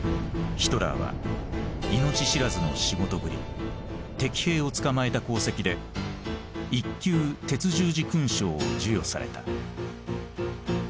ヒトラーは命知らずの仕事ぶり敵兵を捕まえた功績で一級鉄十字勲章を授与された。